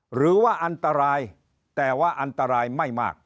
หรือว่าอันตรายแต่ว่าอันตรายไม่มาก